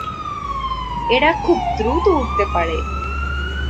এরা খুব দ্রুত উড়তে পারে।